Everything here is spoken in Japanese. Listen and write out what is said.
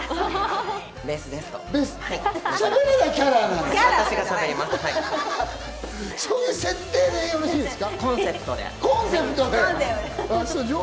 しゃべらないキャラなんですね。